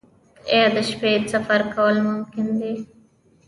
آیا د شپې سفر کول ممکن دي؟